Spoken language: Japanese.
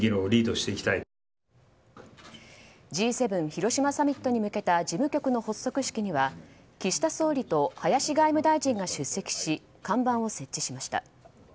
Ｇ７広島サミットに向けた事務局の発足式には岸田総理と林外務大臣が出席し看板を設置しました。